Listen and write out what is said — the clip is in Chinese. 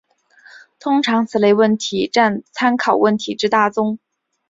通常此类问题占参考问题之大宗。